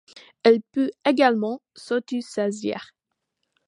Elle peut également s'auto-saisir.